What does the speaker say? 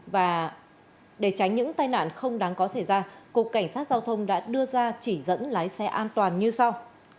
và để tránh những tai nạn không đáng có xảy ra cục cảnh sát giao thông đã đưa ra chỉ dẫn lái xe an toàn như sau